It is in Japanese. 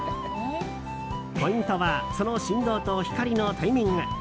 ポイントは、その振動と光のタイミング。